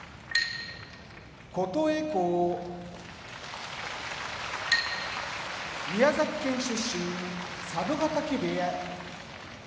琴恵光宮崎県出身佐渡ヶ嶽部屋